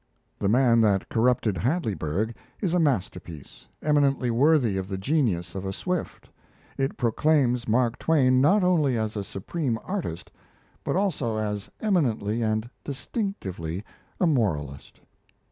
'The Man that Corrupted Hadleyburg' is a masterpiece, eminently worthy of the genius of a Swift. It proclaims Mark Twain not only as a supreme artist, but also as eminently and distinctively a moralist.